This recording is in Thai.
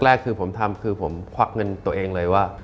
แรกคือผมทำคือผมควักเงินตัวเองเลยว่า